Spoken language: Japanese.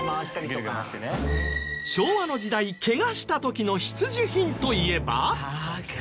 昭和の時代ケガした時の必需品といえば。